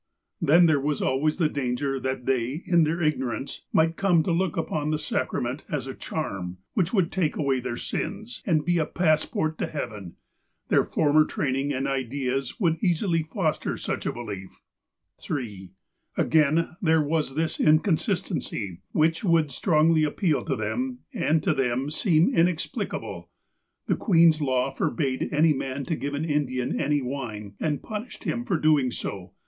Then there was always the danger that they, in their ignorance, might come to look upon the sacrament as a charm, which would take away their sins, and be a passport to heaven. Their former training and ideas would easily foster such a belief. 3. Again, there was this inconsistency, which would strongly appeal to them, and to them seem inexplicable. The Queen's law forbade any man to give an Indian any wine, and punished him for doing so.